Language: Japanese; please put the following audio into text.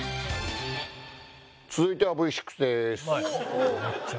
続いてはＶ６でーす。